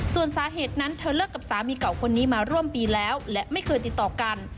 ส่วนสาเหตุนั้นเธอเลิกกับสามีเก่าคนนี้มาร่วมปีแล้วและไม่เคยติดต่อกัน